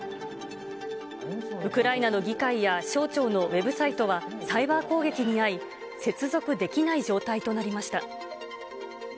ウクライナの議会や省庁のウェブサイトはサイバー攻撃に遭い、接続できない状態となりました。